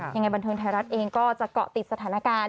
ยังไงบันเทิงไทยรัฐเองก็จะเกาะติดสถานการณ์